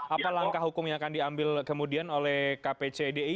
apa langkah hukum yang akan diambil kemudian oleh kpcdi